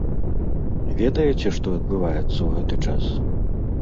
Ведаеце, што адбываецца ў гэты час?